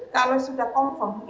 kalau sudah confirm